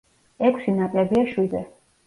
ექვსი ნაკლებია შვიდზე.